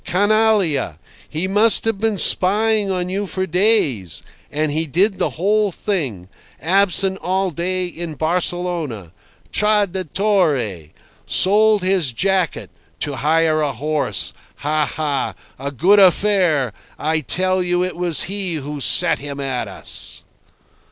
Canallia! He must have been spying on you for days. And he did the whole thing. Absent all day in Barcelona. Traditore! Sold his jacket—to hire a horse. Ha! ha! A good affair! I tell you it was he who set him at us.